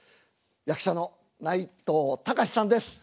役者の内藤剛志さんです。